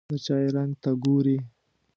د چای رنګ ته ګوري.